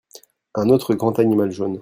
Un autre grand animal jaune.